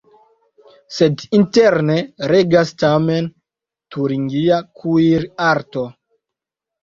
Sed interne regas tamen turingia kuirarto.